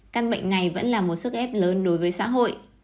căn bệnh này vẫn là một sức ép lớn đối với xã hội